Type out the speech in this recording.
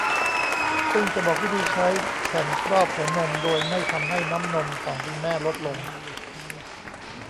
ซึ่งจะบอกวิธีใช้แผ่นครอบหัวนมโดยไม่ทำให้น้ำนมของคุณแม่ลดลง